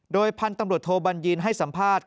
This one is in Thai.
โดยพันธุ์ตำรวจโทบัญญีนให้สัมภาษณ์